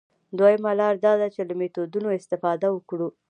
دویمه لاره دا ده چې له میتودونو استفاده وکړو.